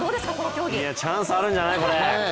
チャンスあるんじゃない、これ？